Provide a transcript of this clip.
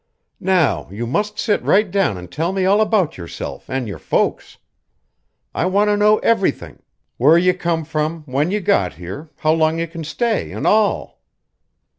"Now you must sit right down an' tell me all about yourself an' your folks. I want to know everything where you come from; when you got here; how long you can stay, an' all."